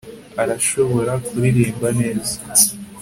arashobora kuririmba neza